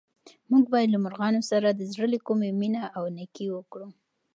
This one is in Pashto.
موږ باید له مرغانو سره د زړه له کومې مینه او نېکي وکړو.